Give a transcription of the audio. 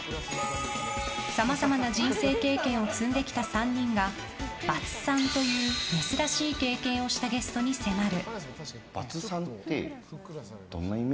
さまざまな人生経験を積んできた３人がバツ３という珍しい経験をしたゲストに迫る！